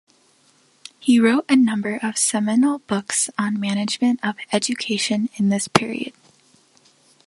He wrote a number of seminal books on management of education in this period.